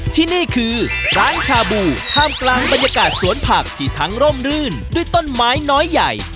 ที่นี่คือร้านชาบูท่ามกลางบรรยากาศสวนผักที่ทั้งร่มรื่นด้วยต้นไม้น้อยใหญ่